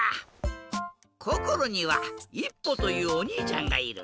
こころにはいっぽというおにいちゃんがいる。